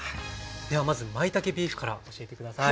ではまずまいたけビーフから教えて下さい。